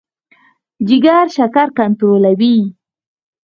جګر شکر کنټرولوي.